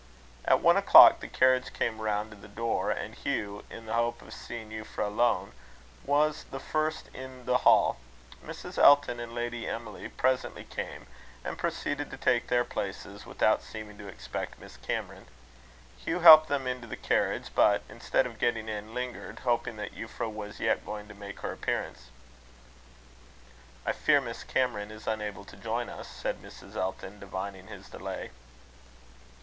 At one o'clock, the carriage came round to the door; and Hugh, in the hope of seeing Euphra alone, was the first in the hall. Mrs. Elton and Lady Emily presently came, and proceeded to take their places, without seeming to expect Miss Cameron. Hugh helped them into the carriage; but, instead of getting in, lingered, hoping that Euphra was yet going to make her appearance. "I fear Miss Cameron is unable to join us," said Mrs. Elton, divining his delay.